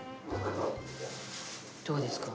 どうですか？